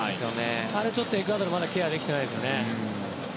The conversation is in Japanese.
あれ、エクアドルまだケアできてないですね。